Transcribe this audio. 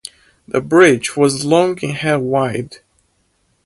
The bridge was long and had wide.